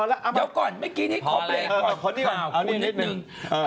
เดี๋ยวก่อนเมื่อกี้นี้ขอเบรกก่อนข่าวคุณนิดนึง